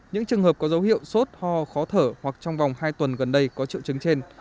những trường hợp có dấu hiệu sốt ho khó thở hoặc trong vòng hai tuần gần đây có triệu chứng trên